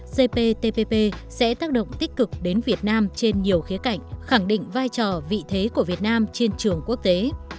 cptpp sẽ tác động tích cực đến việt nam trên nhiều khía cạnh khẳng định vai trò vị thế của việt nam trên trường quốc tế